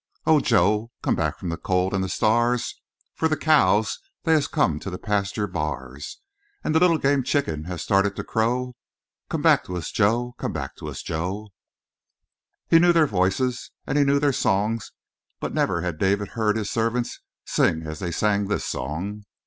"Oh, Jo, come back from the cold and the stars For the cows they has come to the pasture bars, And the little game chicken has started to crow: Come back to us, Jo; come back to us Jo!" He knew their voices and he knew their songs, but never had David heard his servants sing as they sang this song.